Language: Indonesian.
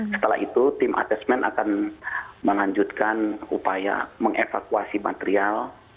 setelah itu tim asesmen akan melanjutkan upaya mengevakuasi material